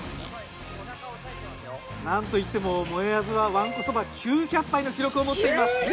なんといってももえあずはわんこそば９００杯の記録をもっています。